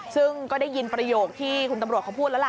ซึ่งก็ได้ยินประโยคที่คุณตำรวจเขาพูดแล้วล่ะ